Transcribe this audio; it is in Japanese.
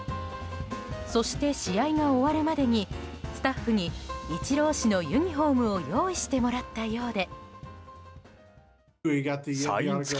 そして、試合が終わるまでにスタッフにイチロー氏のユニホームを用意してもらったようで。